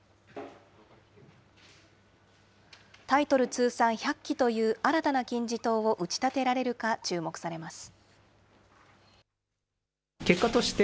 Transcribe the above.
通算１００期という新たな金字塔を打ち立てられるか注目されます。